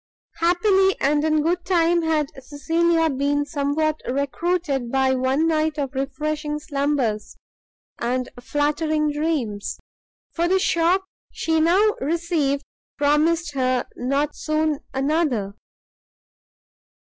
Happily and in good time had Cecilia been somewhat recruited by one night of refreshing slumbers and flattering dreams, for the shock she now received promised her not soon another.